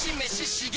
刺激！